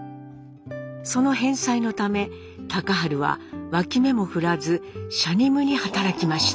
その返済のため隆治は脇目も振らずしゃにむに働きました。